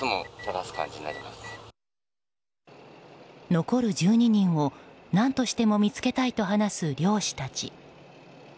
残る１２人を何としても見つけたいと話す漁師たち。